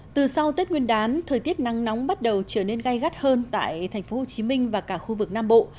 từ sau tết nguyên đán thời tiết nắng nóng bắt đầu trở nên gai gắt hơn tại tp hcm và cả khu vực nam bộ